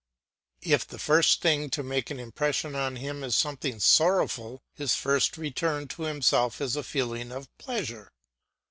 If the first thing to make an impression on him is something sorrowful his first return to himself is a feeling of pleasure.